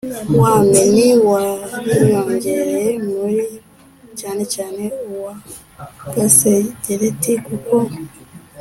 Wa mini wariyongereye muri cyane cyane uwa gasegereti kuko